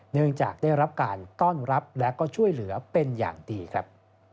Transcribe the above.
เนื่องจากได้รับการต้อนรับและก็ช่วยเหลือเป็นอย่างดีครับ